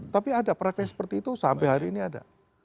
tapi ada praktek seperti itu sampai hari ini ada